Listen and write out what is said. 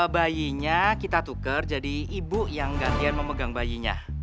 bayinya kita tuker jadi ibu yang gantian memegang bayinya